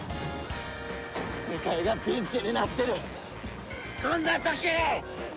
世界がピンチになってるこんな時に！